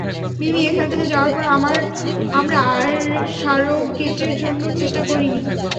মিমি, এখান থেকে যাওয়ার পর আমরা আর সারোগেটের জন্য চেষ্টা করিনি।